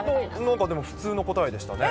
普通の答えでしたね。